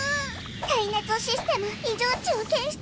耐熱システム異常値を検出！